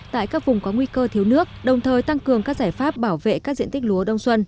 tại các vùng có nguy cơ thiếu nước đồng thời tăng cường các giải pháp bảo vệ các diện tích lúa đông xuân